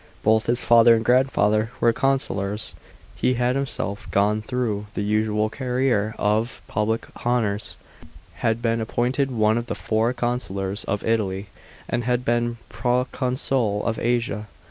Both his father and grandfather were consulars. He had himself g<>ne through the usual career of public honours, had been appointed one of the four consulars of Italy, and had been proconsul of Asia.